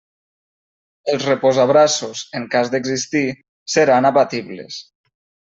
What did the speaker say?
Els reposabraços, en cas d'existir, seran abatibles.